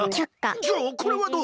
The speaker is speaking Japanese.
じゃあこれはどう？